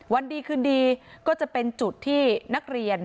วันดีคืนดีก็จะเป็นจุดที่นักเรียน